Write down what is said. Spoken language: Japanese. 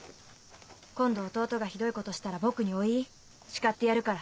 今度弟がひどいことしたら僕にお言いしかってやるから。